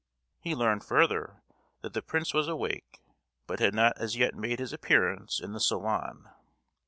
He learned, further, that the prince was awake, but had not as yet made his appearance in the "salon."